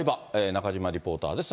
中島リポーターです。